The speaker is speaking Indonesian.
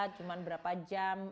cuma berapa jam